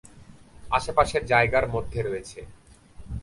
আশেপাশের জায়গার মধ্যে রয়েছে